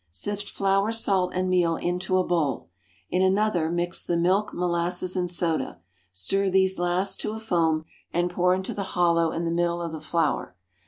Sift flour, salt and meal into a bowl. In another mix the milk, molasses and soda. Stir these last to a foam, and pour into the hollow in the middle of the flour.